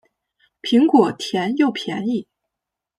苹果甜又便宜